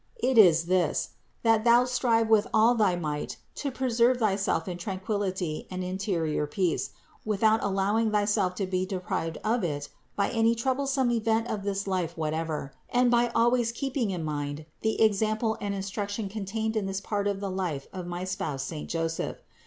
It is this, that thou strive with all thy might to preserve thyself in tran quillity and interior peace, without allowing thyself to be deprived of it by any troublesome event of this life what ever, and by always keeping in mind the example and instruction contained in this part of the life of my spouse saint Joseph.